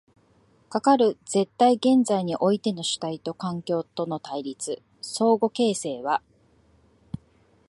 かかる絶対現在においての主体と環境との対立、相互形成は